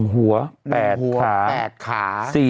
๑หัว๘ขา